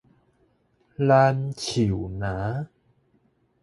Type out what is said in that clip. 南樹林